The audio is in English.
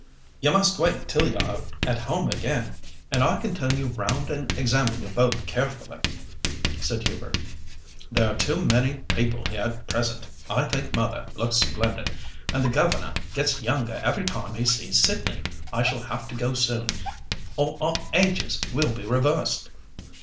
"You must wait till you are at home again, and I can turn you round and examine you both carefully," said Hubert; "there are too many people here at present. I think mother looks splendid, and the governor gets younger every time he sees Sydney. I shall have to go soon, or our ages will be reversed."